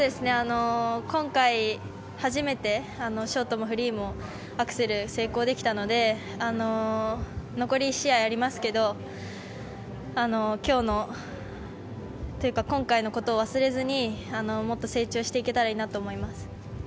今回初めてショートもフリーもアクセルが成功できたので残り１試合ありますけど今日の、というか今回のことを忘れずにもっと成長していけたらなと思います。